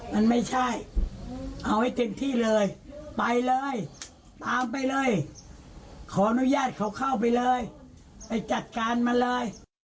มันไม่ใช่เอาให้เต็มที่เลยไปเลยตามไปเลย